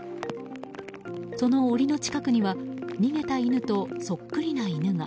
その檻の近くには逃げた犬とそっくりな犬が。